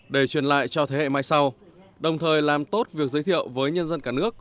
để truyền lại cho thế hệ mai sau đồng thời làm tốt việc giới thiệu với nhân dân cả nước